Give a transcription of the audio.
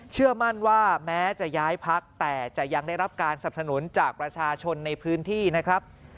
เชื่อมั่นว่าแม้จะย้ายพักแต่จะยังได้รับการสับสนุนจากประชาชนในพื้นที่นะครับ